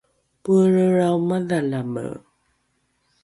poelrelrao madhalame